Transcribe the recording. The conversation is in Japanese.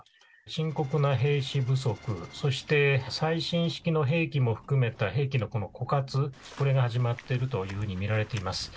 深刻な兵士不足、そして、最新式の兵器も含めた兵器の枯渇、これが始まってるというふうに見られています。